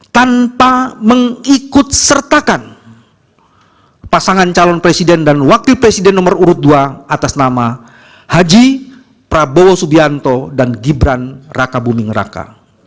tanpa mengikut sertakan pasangan calon presiden dan wakil presiden nomor urut dua atas nama haji prabowo subianto dan gibran raka buming raka